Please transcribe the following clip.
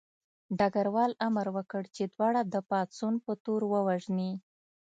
ډګروال امر وکړ چې دواړه د پاڅون په تور ووژني